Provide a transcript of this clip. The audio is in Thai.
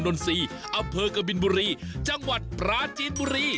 อำเภอกบินบุรีจังหวัดปราจีนบุรี